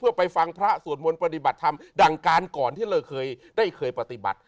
เพื่อไปฟังพระสวดมนต์ปฏิบัติธรรมดั่งการก่อนที่เราเคยได้เคยปฏิบัติ